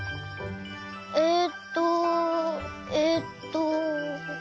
えっとえっと。